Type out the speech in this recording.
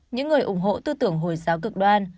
những người ủng hộ tư tưởng hồi giáo cực đoan